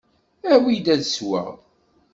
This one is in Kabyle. Awi-d ad sweɣ!